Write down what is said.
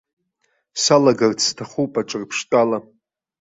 Салагарц сҭахуп аҿырԥштәы ала.